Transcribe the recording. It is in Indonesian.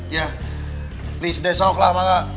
ya please deh sok lah maka